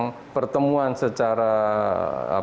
dan kemudian kemudian kemudian kemudian kemudian kemudian kemudian